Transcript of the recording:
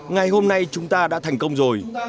ngày hôm nay chúng ta đã thành công rồi